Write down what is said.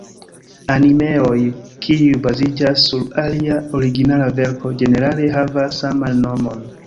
Animeoj kiuj baziĝas sur alia originala verko, ĝenerale havas saman nomon.